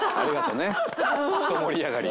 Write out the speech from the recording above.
ひと盛り上がり。